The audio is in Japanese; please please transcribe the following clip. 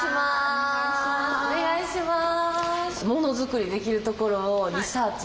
お願いします。